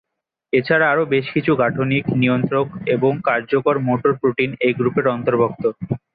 এছাড়াও আরও বেশ কিছু গাঠনিক, নিয়ন্ত্রক এবং কার্যকর মোটর প্রোটিন এই গ্রুপের অন্তর্ভুক্ত।